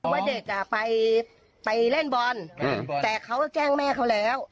ว่าเด็กไปเล่นบอลแต่เขาก็แจ้งแม่เขาแล้ว